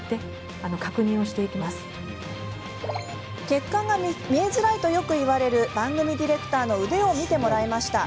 血管が見えづらいとよく言われる番組ディレクターの腕を見てもらいました。